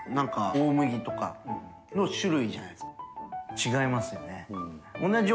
燭大麦とかの種類じゃないですか？